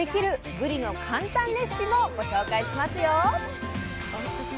ぶりの簡単レシピもご紹介しますよ。